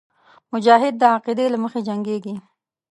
مجاهد د عقیدې له مخې جنګېږي.